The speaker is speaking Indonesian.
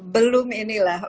belum ini lah